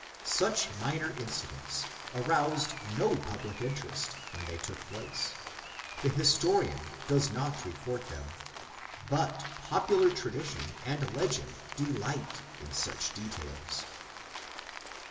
Such minor incidents aroused no public interest when they took place; the historian does not report them, but popular tradition and legend delight in such details.